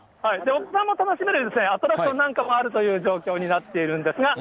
大人も楽しめるアトラクションなんかもあるという状況になっているんですが。